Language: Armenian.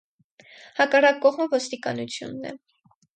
Հակառակ կողմը ոստիկանությունն է։